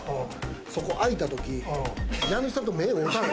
そこ開いたとき家主さんと目おうたんよ。